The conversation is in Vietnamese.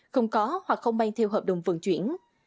không có hoặc không mang theo hợp đồng vận chuyển